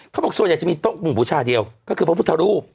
เขาบอกส่วนใหญ่จะมีโต๊ะหมู่บูชาเดียวก็คือพระพุทธรูป